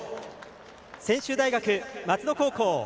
専修大学松戸高校